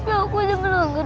aku udah menanggur